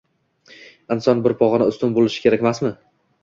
Inson bir pog'ona ustun bo'lishi kerakmasmi?